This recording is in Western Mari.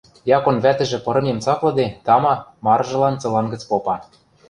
Якон вӓтӹжӹ пырымем цаклыде, тама, марыжылан цылан гӹц попа: